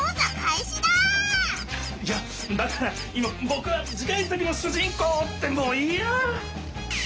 いやっだから今ぼくはじ回作のしゅ人公ってもういいや。